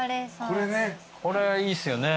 これいいっすよね。